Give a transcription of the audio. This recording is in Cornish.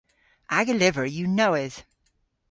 Aga lyver yw nowydh.